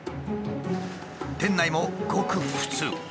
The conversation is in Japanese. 店内もごく普通。